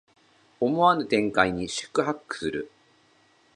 思わぬ展開に四苦八苦する